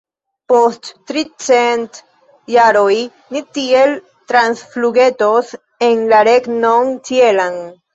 Post tricent jaroj ni tiel transflugetos en la regnon ĉielan!